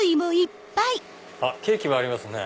ケーキもありますね。